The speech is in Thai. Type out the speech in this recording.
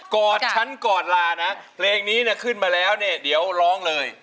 อดฉันกอดลานะเพลงนี้เนี่ยขึ้นมาแล้วเนี่ยเดี๋ยวร้องเลย